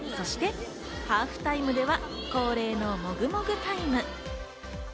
そしてハーフタイムでは恒例のもぐもぐタイム。